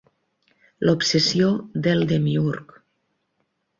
L'obsessió del Demiurg.